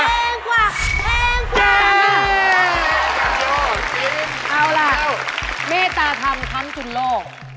เอาล่ะเมตตาทำคำชุนโลก